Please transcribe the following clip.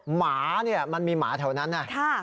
หมาเนี่ยมันมีหมาแถวนั้นนะ